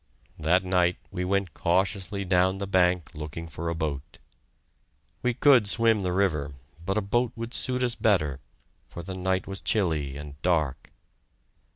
That night we went cautiously down the bank looking for a boat. We could swim the river, but a boat would suit us better, for the night was chilly and dark.